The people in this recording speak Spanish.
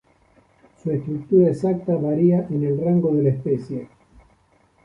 Su estructura exacta varía en el rango de la especie.